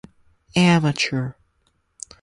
Amateur.